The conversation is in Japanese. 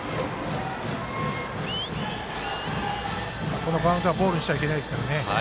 このカウントはボールしちゃいけないですからね。